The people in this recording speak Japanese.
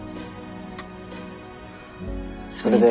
それで。